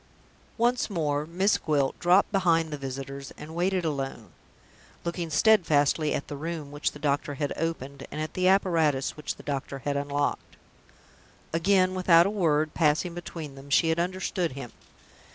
Once more, Miss Gwilt dropped behind the visitors, and waited alone looking steadfastly at the Room which the doctor had opened, and at the apparatus which the doctor had unlocked. Again, without a word passing between them, she had understood him.